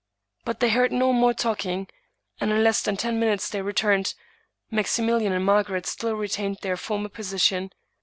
But they heard no more talking, and in less than ten minutes they returned. Maximilian and Margaret still retained their former posi tion.